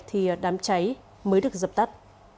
thì đám trái mới được dập tắt